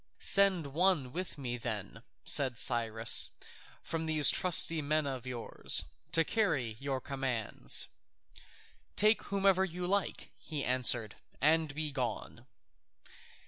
"Send some one with me then," said Cyrus, "from these trusty men of yours, to carry your commands." "Take whomever you like," he answered, "and begone."